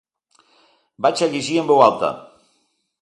Vaig a llegir en veu alta?